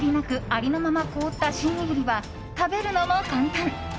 ありのまま凍ったシン握りは食べるのも簡単。